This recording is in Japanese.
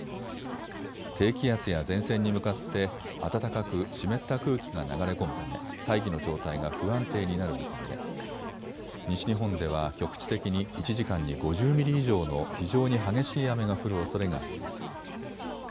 低気圧や前線に向かって暖かく湿った空気が流れ込むため大気の状態が不安定になる見込みで西日本では局地的に１時間に５０ミリ以上の非常に激しい雨が降るおそれがあります。